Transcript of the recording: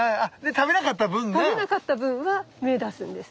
食べなかった分は芽出すんです。